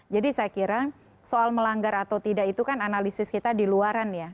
jadi saya kira soal melanggar atau tidak itu kan analisis kita di luaran ya